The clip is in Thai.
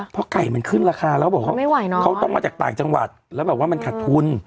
เพราะไก่มันขึ้นราคาแล้วบอกว่าเขาต้องมาจากต่างจังหวัดแล้วแบบว่ามันขัดทุน